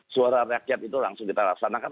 suara rakyat itu langsung kita laksanakan